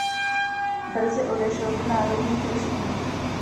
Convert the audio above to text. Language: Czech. Brzy odešel do "Národních listů".